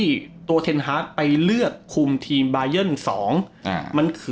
ที่ตัวเทนฮาร์ดไปเลือกคุมทีมบายัน๒มันคือ